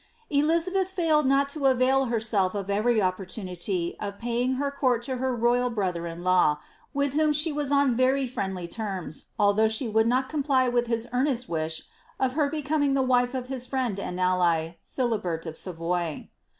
Elizabeth failed not to avail herself of every opportunity of paying her court to her royal brolher iii law,* with whom she was on very friendly terms, although she would not comply with his earnest wish, of her becoming the wife of his friend and ally, Philibert of Savoy.